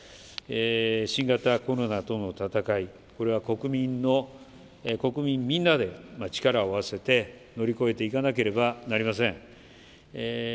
新型コロナとの闘い、これは国民の、国民みんなで力を合わせて、乗り越えていかなければなりません。